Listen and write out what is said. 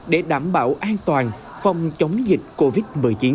cảm bảo an toàn phòng chống dịch covid một mươi chín